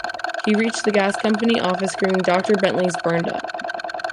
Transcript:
He reached the gas company office screaming Doctor Bentley's burned up!